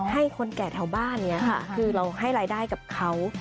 ให้คนแก่แถวบ้านเราให้รายได้กับเขา